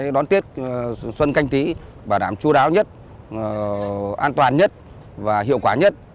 đón tết xuân canh tí bảo đảm chú đáo nhất an toàn nhất và hiệu quả nhất